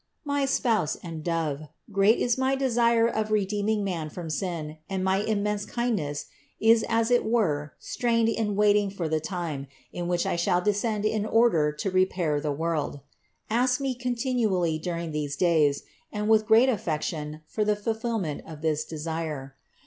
"My Spouse and Dove, great is my desire of redeeming man from sin and my immense kindness is as it were strained in waiting for the time, in which I shall descend in order to repair the world ; ask Me con tinually during these days and with great affection for the fulfillment of this desire.